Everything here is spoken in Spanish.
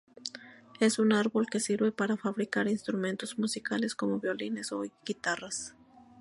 Es un árbol que sirve para fabricar instrumentos musicales, como violines o guitarras.